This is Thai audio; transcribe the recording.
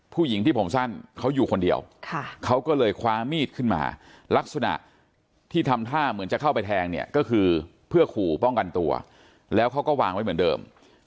ผู้หญิงที่ผมสั้นเขาอยู่คนเดียวเขาก็เลยคว้ามีดขึ้นมาลักษณะที่ทำท่าเหมือนจะเข้าไปแทงเนี่ยก็คือเพื่อขู่ป้องกันตัวแล้วเขาก็วางไว้เหมือนเดิม